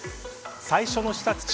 最初の視察地